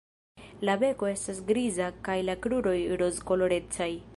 La beko estas griza kaj la kruroj rozkolorecaj.